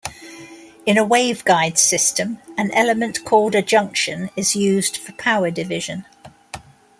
In a waveguide system, an element called a junction is used for power division.